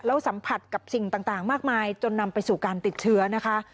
แล้วสัมผัสกับสิ่งต่างมากมายจนนำไปสู่การติดเชื้อนะคะ